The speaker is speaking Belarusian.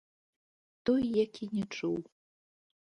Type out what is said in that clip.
Той як і не чуў.